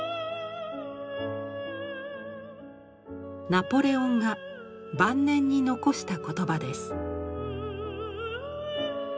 ナポレオンが晩年に残した言葉です。